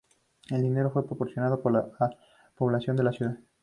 El dinero fue proporcionado por la población de la ciudad.